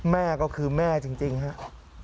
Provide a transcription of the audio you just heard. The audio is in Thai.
แม่ก็คือแม่จริงครับ